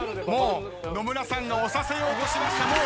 もう野村さんが押させようとしました。